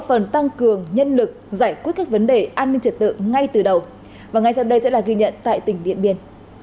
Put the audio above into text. về an ninh trở tự ngay từ đầu và ngay sau đây sẽ là ghi nhận tại tỉnh điện biên